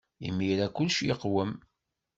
Imir-a, kullec yeqwem.